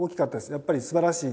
やっぱりすばらしい。